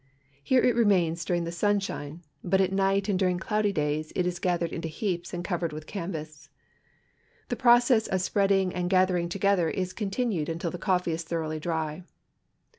Here it remains during the sunshine, but at night and during cloudy days it is gathered into heaps and covered with canvas. The process of spreading and gathering together is continued until the coffee is thoroughly dry.